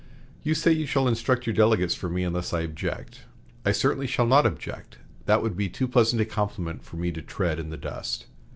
You say you shall instruct your delegates for me, unless I object. I certainly shall not object. That would be too pleasant a compliment for me to tread in the dust.